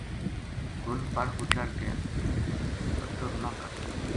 گل پَڑ پو چڑھ کے پتر نہ کپ